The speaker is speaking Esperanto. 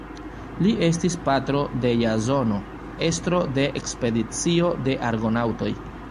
Li estis patro de Jazono, estro de ekspedicio de Argonaŭtoj.